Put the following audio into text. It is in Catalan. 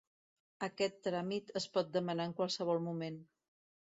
Aquest tràmit es pot demanar en qualsevol moment.